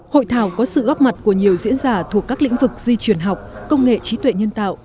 hội thảo có sự góp mặt của nhiều diễn giả thuộc các lĩnh vực di truyền học công nghệ trí tuệ nhân tạo